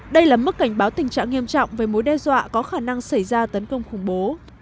đây là mức cảnh báo tình trạng nghiêm trọng về mối đe dọa có khả năng xảy ra tấn công khủng bố